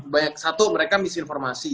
banyak satu mereka misinformasi